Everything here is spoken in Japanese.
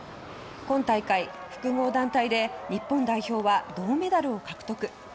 今大会、複合団体で日本代表は銅メダルを獲得。